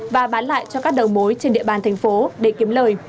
và bán lại cho các đầu mối trên địa bàn thành phố để kiếm lời